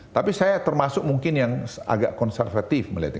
tapi saya termasuk mungkin yang agak konservatif melihatnya